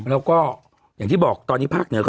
แล้วก็อย่างที่บอกตอนนี้ภาคเหนือ